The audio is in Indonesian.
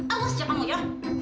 alus siapamu ya